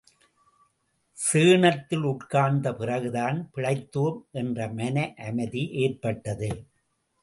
சேணத்தில் உட்கார்ந்த பிறகுதான் பிழைத்தோம் என்ற மன அமைதி ஏற்பட்டது.